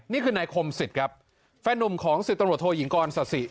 นี่คือในคมศิษย์ครับแฟนหนุ่มของสิทธิ์ตำรวจโทยิงกรศสิ